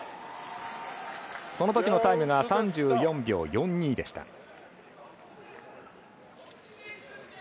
そのときのタイムが３４秒４２でした。